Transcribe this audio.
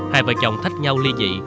hai vợ chồng thách nhau ly dị